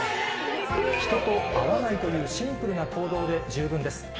人と会わないというシンプルな行動で十分です。